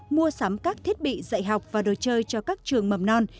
mua sắm các thiết bị dạy học và đồ chơi cho các trường mầm non